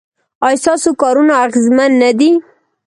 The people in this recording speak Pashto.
ایا ستاسو کارونه اغیزمن نه دي؟